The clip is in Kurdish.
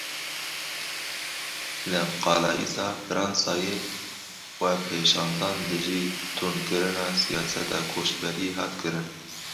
Li Calaisa Fransayê, xwepêşandan dijî tundkirina siyaseta koçberiyê hat kirin.